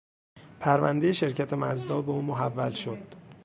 پروندهی شرکت مزدا به او محول شد.